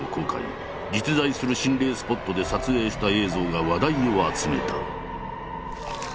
実在する心霊スポットで撮影した映像が話題を集めた。